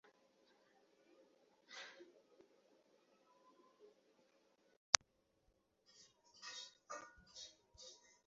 জাতির ভবিষ্যৎ বিনির্মাণে সবাইকে ঐকমত্য হতে হবে।